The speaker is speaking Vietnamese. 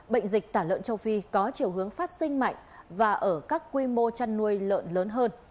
bệnh dịch tả lợn châu phi có chiều hướng phát sinh mạnh và ở các quy mô chăn nuôi lợn lớn hơn